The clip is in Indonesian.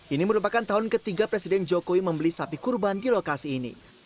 ini merupakan tahun ketiga presiden jokowi membeli sapi kurban di lokasi ini